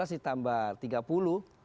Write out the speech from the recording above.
lima belas ditambah tiga puluh